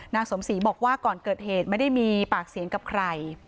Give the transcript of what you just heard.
นางสมศรีบอกว่าก่อนเกิดเหตุไม่ได้มีปากเสียงกับใคร